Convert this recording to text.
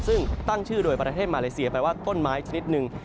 ซึ่งตั้งชื่อโดยประเทศมาเลเซียแปลว่าต้นไม้ชนิดหนึ่ง